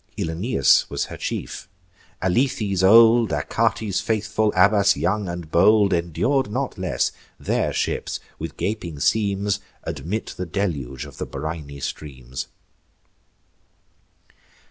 Ilioneus was her chief: Alethes old, Achates faithful, Abas young and bold, Endur'd not less; their ships, with gaping seams, Admit the deluge of the briny streams.